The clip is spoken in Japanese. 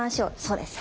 そうです。